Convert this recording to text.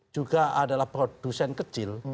juga adalah produsen kecil